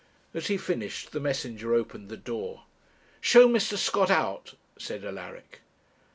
As he finished, the messenger opened the door. 'Show Mr. Scott out,' said Alaric.